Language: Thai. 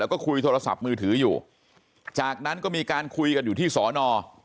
แล้วก็คุยโทรศัพท์มือถืออยู่จากนั้นก็มีการคุยกันอยู่ที่สอนอ